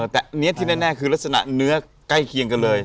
แต่อันนี้ที่แน่คือลักษณะเนื้อใกล้เคียงกันเลย